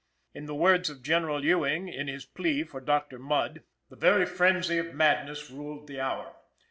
In the words of General Ewing in his plea for Dr. Mudd: "The very frenzy of madness ruled the hour.